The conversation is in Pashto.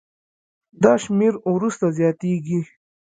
دا شمېر وروسته زیاتېږي.